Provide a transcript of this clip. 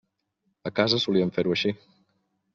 A casa solíem fer-ho així.